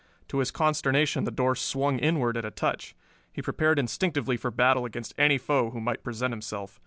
To his consternation the door swung inward at a touch. He prepared instinctively for battle against any foe who might present himself.